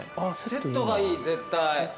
セットがいい絶対。